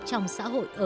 trong xã hội ở châu âu